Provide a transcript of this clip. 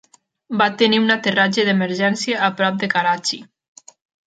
Va tenir un aterratge d'emergència a prop de Karachi.